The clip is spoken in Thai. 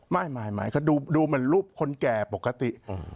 ไม่ก็ดูเหมือนรูปคนแก่ปกติ